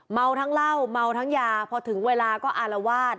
เมาทั้งเหล้าเมาทั้งยาพอถึงเวลาก็อารวาส